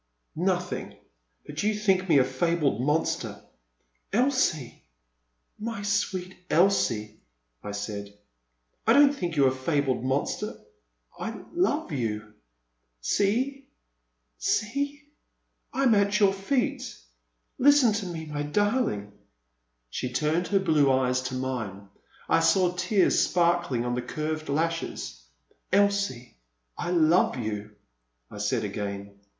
— nothing — ^but you think me a fabled monster." ''Elsie,— my sweet Elsie," I said, "I don't think you a fabled monster; — I love you, — s ec see — I am at your feet, — ^listen to me, my darling," — She turned her blue eyes to mine. I saw tears sparkling on the curved lashes. " Elsie, I love you," I said again.